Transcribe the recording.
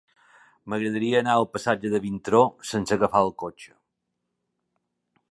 M'agradaria anar al passatge de Vintró sense agafar el cotxe.